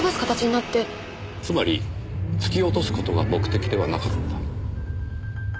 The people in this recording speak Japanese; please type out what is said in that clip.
つまり突き落とす事が目的ではなかった。